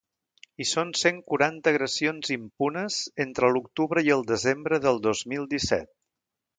I són cent quaranta agressions impunes entre l’octubre i el desembre del dos mil disset.